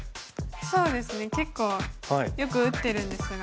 そうですね結構よく打ってるんですが。